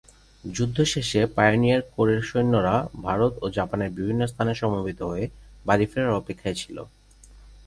যুদ্ধ শেষে পাইওনিয়ার কোরের সৈন্যরা ভারত ও জাপানের বিভিন্ন স্থানে সমবেত হয়ে বাড়ি ফেরার অপেক্ষায় ছিল।